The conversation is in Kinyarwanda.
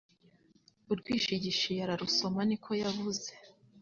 Urwishigishiye ararusoma niko yavuze